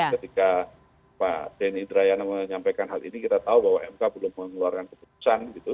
ketika pak denny indrayana menyampaikan hal ini kita tahu bahwa mk belum mengeluarkan keputusan gitu